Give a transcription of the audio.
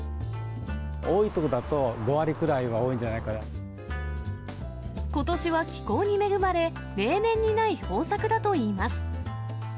多い所だと、５割ぐらいは多ことしは気候に恵まれ、例年にない豊作だといいます。